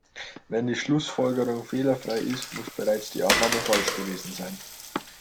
Wenn die Schlussfolgerung fehlerfrei ist, muss bereits die Annahme falsch gewesen sein.